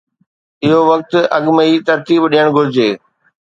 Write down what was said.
اهو وقت اڳ ۾ ئي ترتيب ڏيڻ گهرجي.